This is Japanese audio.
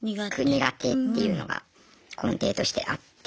苦手っていうのが根底としてあって。